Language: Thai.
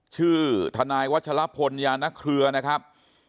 ชื่อทนายวัชลพลยานเครือนะครับ